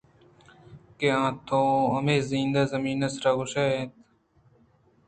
کہ آ توامیں زند ءَ زمین ءِ سرا کشّان اِنت ءُ رَئوت